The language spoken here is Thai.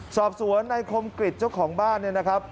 สอบสวนในคมกฤตเจ้าของบ้านนะครับ